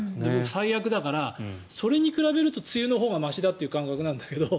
最悪だから、それに比べると梅雨のほうがましだという感覚なんだけど。